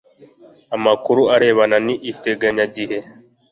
amakuru arebana n iteganyagihe